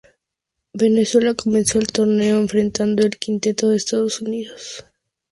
Venezuela comenzó el torneo enfrentando al quinteto de Estados Unidos.